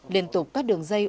liên tục các đường dây